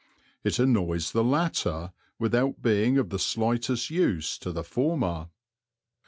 It annoys the latter without being of the slightest use to the former.